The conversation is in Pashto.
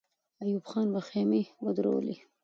ایوب خان به خېمې ودرولي.